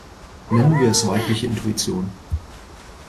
Nennen wir es weibliche Intuition.